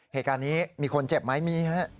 เหตุการณ์นี้มีคนเจ็บไหมมีฮะ